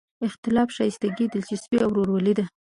اختلاف ښایستګي، دلچسپي او ورورولي ده.